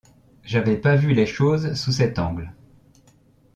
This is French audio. J’avais pas vu les choses sous cet angle.